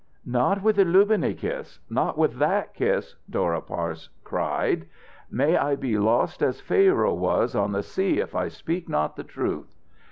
"Not with the lubbeny kiss not with that kiss!" Dora Parse cried. "May I be lost as Pharaoh was in the sea if I speak not the truth!"